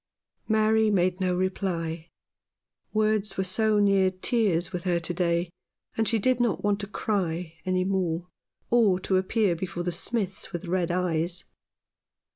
Mary made no reply. Words were so near tears with her to day, and she did not want to cry any more, or to appear before the Smiths with red eyes.